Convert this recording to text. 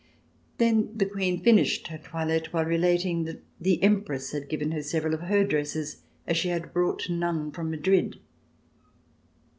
Then the Queen finished her toilette while relating that the Empress had given her several of her dresses, as she had brought none from Madrid.